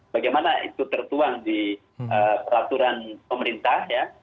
bagaimana itu tertuang di peraturan pemerintah ya